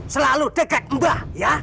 selalu dekat mbah ya